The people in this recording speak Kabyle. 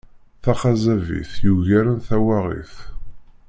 Taxazabit yugaren tawaɣit.